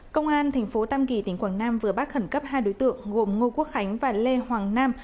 công an tp tam kỳ tỉnh quảng nam vừa bắt khẩn cấp hai đối tượng gồm ngô quốc khánh và lê hoàng nam